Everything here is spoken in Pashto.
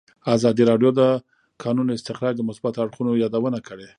ازادي راډیو د د کانونو استخراج د مثبتو اړخونو یادونه کړې.